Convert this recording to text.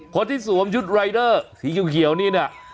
สวมชุดรายเดอร์สีเขียวนี่เนี่ย